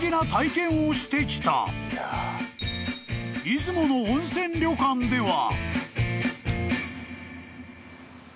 ［出雲の温泉旅館では］